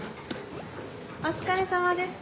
お疲れさまです。